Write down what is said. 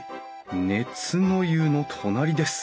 熱の湯の隣です」